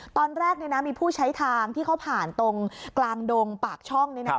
ตอนแรกมีผู้ใช้ทางที่เขาผ่านตรงกลางดงปากช่อง